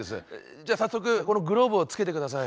じゃあ早速このグローブをつけて下さい。